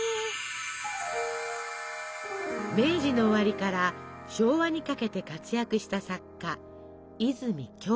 明治の終わりから昭和にかけて活躍した作家